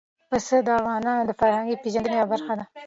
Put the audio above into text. پسه د افغانانو د فرهنګي پیژندنې یوه برخه ده.